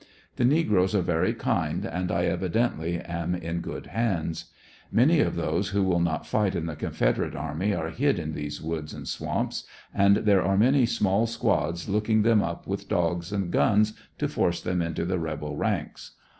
The negroes are very Kind, and I evidently am in good hands. Many of those wnO will not fight in the Confederate army are hid in these woods and swamps, and there are many small squads looking them up with dogs and guns to force them into the rebel ranks.